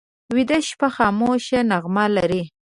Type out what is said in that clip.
ویده شپه خاموشه نغمه لري